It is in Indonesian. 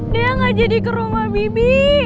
dia gak jadi ke rumah bibi